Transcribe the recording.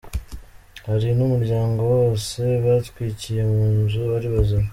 Hari n’umuryango wose batwikiye mu nzu ari bazima.